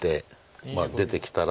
出てきたら。